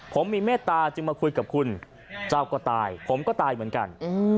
ผมมีเมตตาจึงมาคุยกับคุณเจ้าก็ตายผมก็ตายเหมือนกัน